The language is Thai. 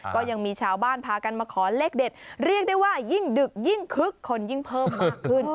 ก็ยังมีชาวบ้านพากันมาขอเลขเด็ดเรียกได้ว่ายิ่งดึกยิ่งคึกคนยิ่งเพิ่มมากขึ้น